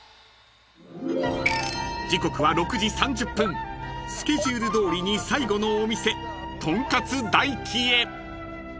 ［時刻は６時３０分スケジュールどおりに最後のお店とんかつ大希へ］